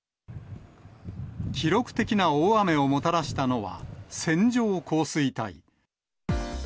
記録的な大雨をもたらしたのは、線状降水帯。